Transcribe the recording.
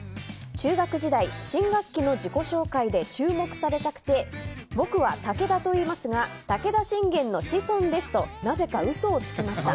中学時代、新学期の自己紹介で注目されたくて僕は武田といいますが武田信玄の子孫ですとなぜか嘘をつきました。